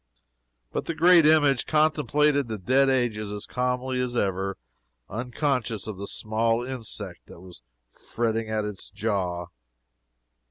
But the great image contemplated the dead ages as calmly as ever, unconscious of the small insect that was fretting at its jaw.